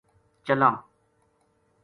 چلاں